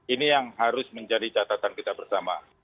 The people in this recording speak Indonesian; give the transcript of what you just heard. ini yang harus menjadi catatan kita bersama